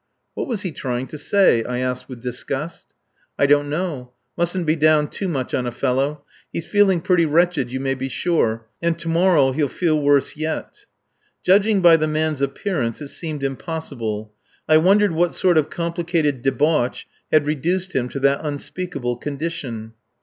"What was he trying to say?" I asked with disgust. "I don't know. Mustn't be down too much on a fellow. He's feeling pretty wretched, you may be sure; and to morrow he'll feel worse yet." Judging by the man's appearance it seemed impossible. I wondered what sort of complicated debauch had reduced him to that unspeakable condition.